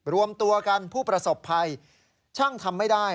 รวมตัวกันผู้ประสบภัยช่างทำไม่ได้